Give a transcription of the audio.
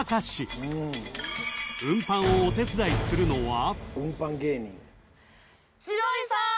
［運搬をお手伝いするのは？］